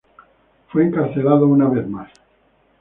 Fue encarcelado una vez más.